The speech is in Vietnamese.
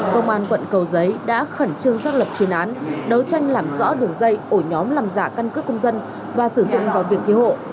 công an quận cầu giấy đã khẩn trương xác lập chuyên án đấu tranh làm rõ đường dây ổ nhóm làm giả căn cước công dân và sử dụng vào việc cứu hộ